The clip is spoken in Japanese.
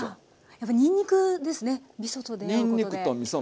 やっぱりにんにくですねみそと出合うことで。